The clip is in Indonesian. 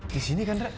di sini kan rek